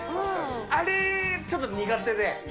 あれちょっと苦手で。